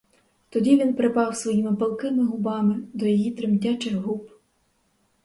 Тоді він припав своїми палкими губами до її тремтячих губ.